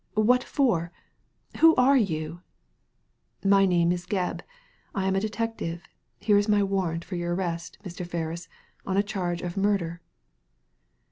What for? Who are you?" " My name is Gebb ; I am a detective. Here is my warrant for your arres^ Mr. Ferris, on a charge of murder."